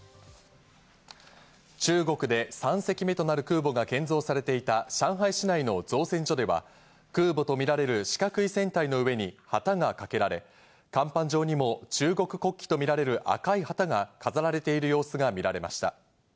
中国で３隻目となる空母が建造されていた上海市内の造船所では、空母とみられる四角い船体の上に旗がかけられ、甲板上にも中国国旗とみられる赤い旗が飾られている様子が見られました。